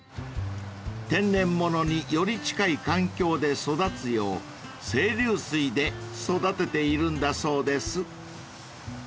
［天然物により近い環境で育つよう清流水で育てているんだそうです］